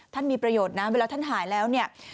ท่านมีประโยชน์เวลาท่านหายแล้ว